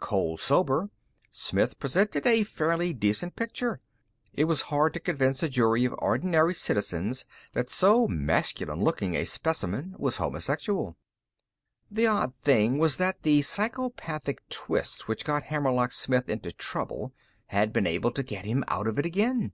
Cold sober, Smith presented a fairly decent picture. It was hard to convince a jury of ordinary citizens that so masculine looking a specimen was homosexual. The odd thing was that the psychopathic twist which got Hammerlock Smith into trouble had been able to get him out of it again.